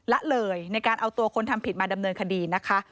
ละเลยในการเอาตัวคนทำผิดมาดำเนินคดีนะคะ